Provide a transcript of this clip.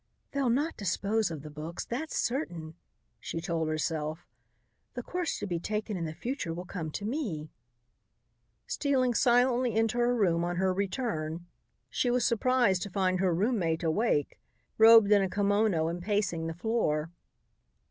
"They'll not dispose of the books, that's certain," she told herself. "The course to be taken in the future will come to me." Stealing silently into her room on her return, she was surprised to find her roommate awake, robed in a kimono and pacing the floor.